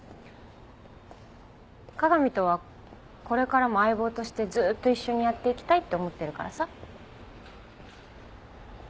加賀美とはこれからも相棒としてずーっと一緒にやっていきたいって思ってるからさ。